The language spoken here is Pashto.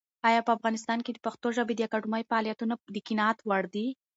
ایا په افغانستان کې د پښتو ژبې د اکاډمۍ فعالیتونه د قناعت وړ دي؟